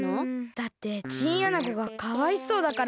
だってチンアナゴがかわいそうだから。